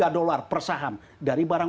tiga dolar per saham dari barang